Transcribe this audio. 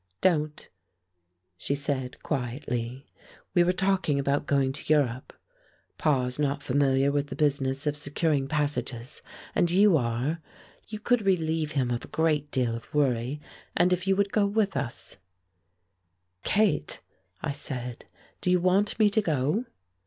"Don't," she said, quietly. "We were talking about going to Europe. Pa is not familiar with the business of securing passages, and you are. You could relieve him of a great deal of worry, and if you would go with us " "Kate," I said, "do you want me to go?"